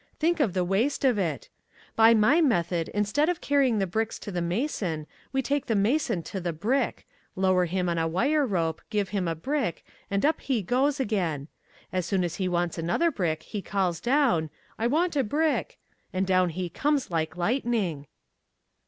Think of the waste of it. By my method instead of carrying the bricks to the mason we take the mason to the brick, lower him on a wire rope, give him a brick, and up he goes again. As soon as he wants another brick he calls down, 'I want a brick,' and down he comes like lightning."